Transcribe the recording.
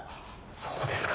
そうですか。